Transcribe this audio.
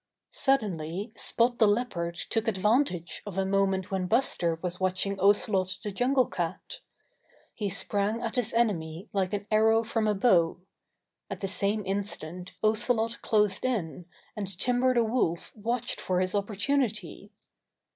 Suddenly Spot the Leopard took advantage of a moment when Buster was watching Ocelot the Jungle Cat He sprang at his enemy like an arrow from a bow. At the same instant Ocelot closed in, and Timber the Wolf watched for his opportunity.